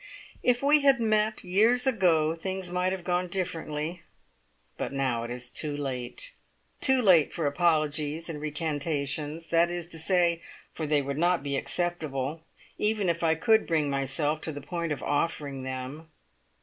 If we had met years ago things might have gone differently, but now it is too late. Too late for apologies and recantations, that is to say, for they would not be acceptable, even if I could bring myself to the point of offering them.